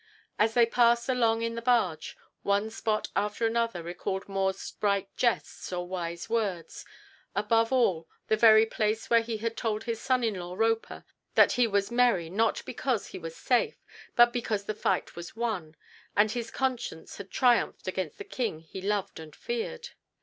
As they passed along in the barge, one spot after another recalled More's bright jests or wise words; above all, the very place where he had told his son in law Roper that he was merry, not because he was safe, but because the fight was won, and his conscience had triumphed against the King he loved and feared.